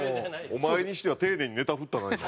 お前にしては丁寧にネタ振ったな今。